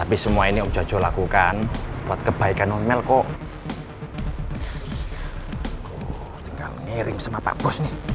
pak maaf pak kita buru buru